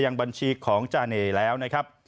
ยังบัญชีของจาเนย์แล้วนะครับ